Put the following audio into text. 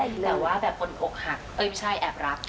แบบว่าแบบคนอกหักเอ้ยไม่ใช่แอบรับ